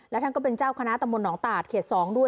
และท่านก็เป็นเจ้าคณะตำบลหนองตาดเขต๒ด้วย